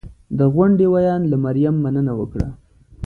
د غونډې ویاند له مریم مننه وکړه